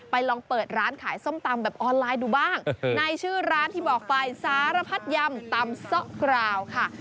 ลองเปิดร้านขายส้มตำแบบออนไลน์ดูบ้างในชื่อร้านที่บอกไปสารพัดยำตำซะกราวค่ะ